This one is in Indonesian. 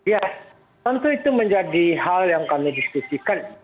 ya tentu itu menjadi hal yang kami diskusikan